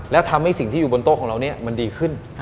แล้วทำให้สิ่งที่อยู่บนโต๊ะของเรามันดีขึ้น